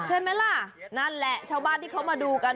ใช่ไหมล่ะนั่นแหละชาวบ้านที่เขามาดูกัน